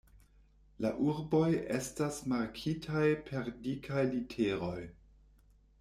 La urboj estas markitaj per dikaj literoj.